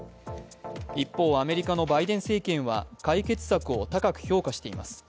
一方、アメリカのバイデン政権は解決策を高く評価しています。